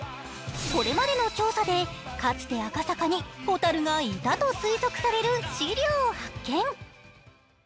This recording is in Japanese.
これまでの調査で、かつて赤坂にほたるがいたと推測される資料を発見。